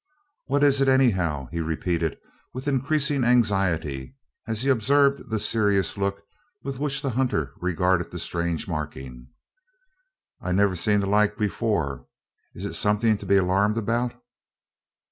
"What is it, anyhow?" he repeated with increasing anxiety, as he observed the serious look with which the hunter regarded the strange marking. "I never saw the like before. Is it something to be alarmed about?"